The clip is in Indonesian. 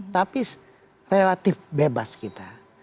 tapi relatif bebas kita